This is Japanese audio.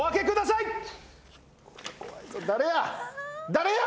誰や？